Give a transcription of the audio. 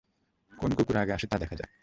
কোন কুকুর আগে আসে তা দেখা যাক!